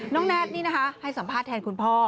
แน็ตนี่นะคะให้สัมภาษณ์แทนคุณพ่อ